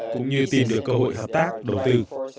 cũng như tìm được cơ hội hợp tác đầu tư